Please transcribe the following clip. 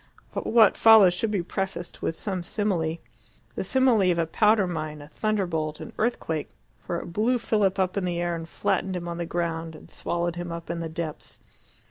What follows should be prefaced with some simile the simile of a powder mine, a thunderbolt, an earthquake for it blew Philip up in the air and flattened him on the ground and swallowed him up in the depths.